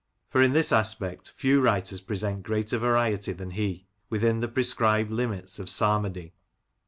For in this aspect few writers present greater variety than he, within the prescribed limits of psalmody.